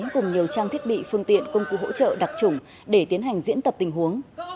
cùng nhiều trang thiết bị phương tiện công cụ hỗ trợ đặc trùng để tiến hành diễn tập tình huống